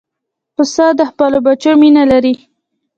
پسه د خپلو بچیو مینه لري.